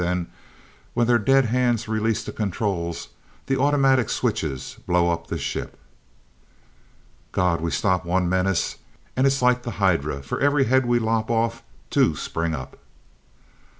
Then, when their dead hands release the controls, the automatic switches blow up the ship." "God! We stop one menace and it is like the Hydra. For every head we lop off, two spring up."